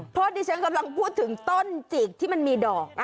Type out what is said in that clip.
เพราะดิฉันกำลังพูดถึงต้นจิกที่มันมีดอก